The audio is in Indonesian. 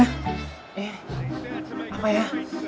eh apa ya